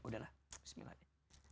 udahlah bismillah ya